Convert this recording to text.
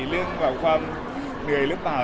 เรื่องความเหนื่อยหรือเปล่า